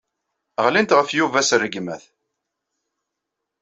Ɣlint ɣef Yuba s rregmat.